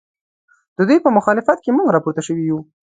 ددوی په مخالفت کې موږ راپورته شوي یو